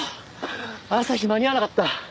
朝日間に合わなかった。